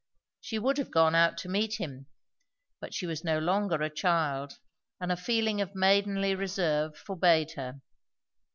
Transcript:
She would have gone out to meet him; but she was no longer a child, and a feeling of maidenly reserve forbade her.